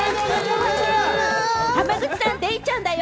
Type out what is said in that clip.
浜口さん、デイちゃんだよ！